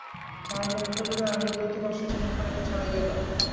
তাহার মা মুখের ভিতর আঙুল দিয়া অতিকষ্টে ঝিনুকখানাকে ছাড়াইয়া লয়।